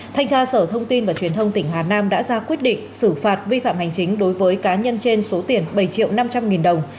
thanh tra sở thông tin và truyền thông tỉnh hà nam đã ra quyết định xử phạt vi phạm hành chính đối với cá nhân trên số tiền bảy triệu năm trăm linh nghìn đồng